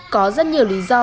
có rất nhiều lý do